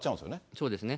そうですね。